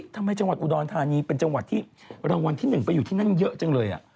จังหวัดอุดรธานีเป็นจังหวัดที่รางวัลที่๑ไปอยู่ที่นั่นเยอะจังเลย